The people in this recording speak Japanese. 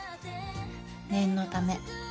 念のため。